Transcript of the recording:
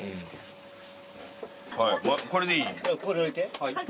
はいこれでいい？